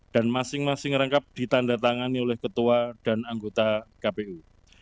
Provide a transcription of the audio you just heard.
dan masing masing rangkap ditanda tangani oleh ketua dan anggota kpu